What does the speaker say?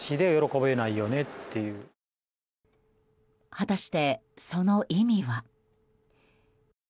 果たして、その意味は。